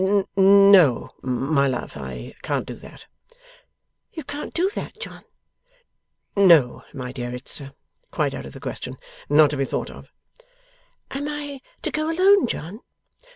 'N no, my love; I can't do that.' 'You can't do that, John?' 'No, my dear, it's quite out of the question. Not to be thought of.' 'Am I to go alone, John?